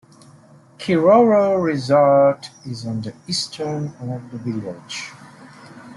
Kiroro Resort is on the eastern of the village.